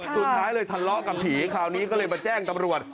สุดท้ายเลยทะเลาะกับผีคราวนี้ก็เลยมาแจ้งตำรวจ